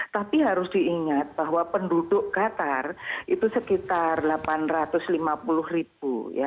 tapi harus diingat bahwa penduduk qatar itu sekitar delapan ratus lima puluh ribu